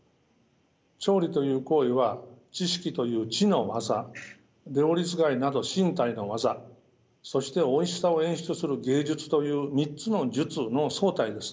調理という行為は知識という知の技料理使いなど身体の技そしておいしさを演出する芸術という３つの術の総体です。